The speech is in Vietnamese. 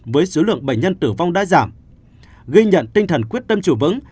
với số lượng bệnh nhân tử vong đã giảm ghi nhận tinh thần quyết tâm chủ vững